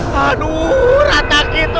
warung kau lagi tinggal nya bang pandi